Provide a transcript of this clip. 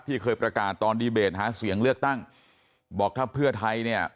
เคยประกาศตอนดีเบตหาเสียงเลือกตั้งบอกถ้าเพื่อไทยเนี่ย